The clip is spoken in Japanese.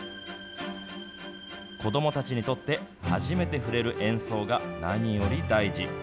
子どもたちにとって、初めて触れる演奏が何より大事。